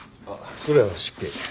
それは失敬。